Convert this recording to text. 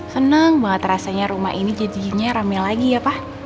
senang banget rasanya rumah ini jadinya rame lagi ya pak